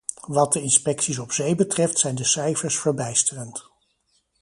Wat de inspecties op zee betreft zijn de cijfers verbijsterend.